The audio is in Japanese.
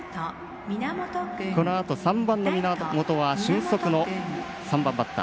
このあと３番の源は俊足の３番バッター。